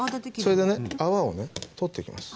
それでね泡をね取っていきます。